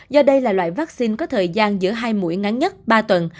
do đây là loại vaccine có thời gian giữa hai mũi ngắn nhất ba tuần